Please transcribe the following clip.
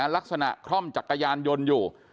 ลักษณะคล่อมจักรยานยนต์อยู่